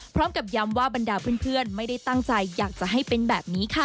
พร้อมกับย้ำว่าบรรดาเพื่อนไม่ได้ตั้งใจอยากจะให้เป็นแบบนี้ค่ะ